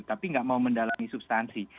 tapi nggak mau mendalami substansi